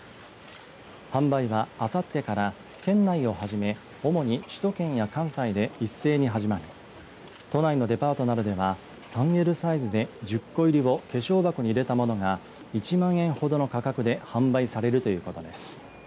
販売はあさってから県内をはじめ主に首都圏や関西で一斉に始まり都内のデパートなどでは３Ｌサイズで１０個入りを化粧箱に入れたものが１万円ほどの価格で販売されるということです。